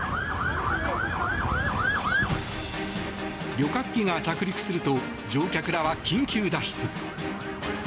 旅客機が着陸すると乗客らは緊急脱出。